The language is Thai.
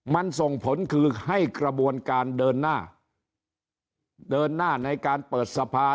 มันส่งผลคือให้กระบวนการเดินหน้าเดินหน้าในการเปิดสภา